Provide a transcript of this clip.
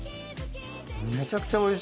めちゃくちゃおいしい。